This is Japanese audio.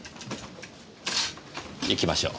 行きましょう。